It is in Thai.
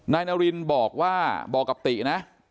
นายนารินบอกว่าบอกกับตินะ